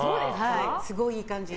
すごいいい感じに。